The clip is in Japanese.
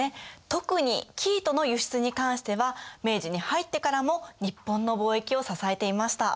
特に生糸の輸出に関しては明治に入ってからも日本の貿易を支えていました。